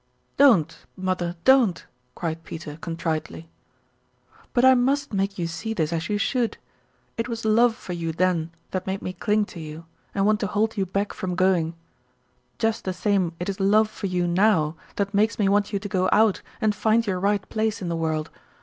"Don't, mother, don't!" cried Peter, contritely. "But I must to make you see this as you should. It was love for you then that made me cling to you, and want to hold you back from going; just the same it is love for you now that makes me want you to go out and find your right place in the world.